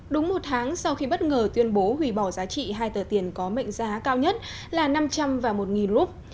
đúng một tháng sau khi bất ngờ tuyên bố hủy bỏ giá trị hai tờ tiền có mệnh giá cao nhất là năm trăm linh và một rup